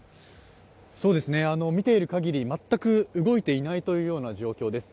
見ているかぎり、全く動いていないというような状況です。